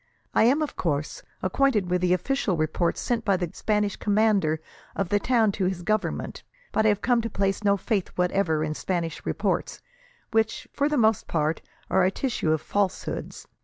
I am, of course, acquainted with the official reports, sent by the Spanish commander of the town to his Government, but I have come to place no faith whatever in Spanish reports, which, for the most part, are a tissue of falsehoods.